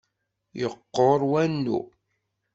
Yeqqur wanu.